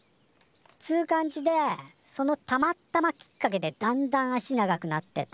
つう感じでそのたまったまきっかけでだんだん足長くなってっただけで。